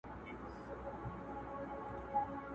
موږ ته ورکي لاري را آسانه کړي.!